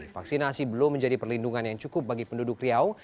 vaksinasi belum menjadi perlindungan yang cukup bagi penduduk riau